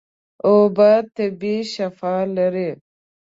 اوبه طبیعي شفاء لري.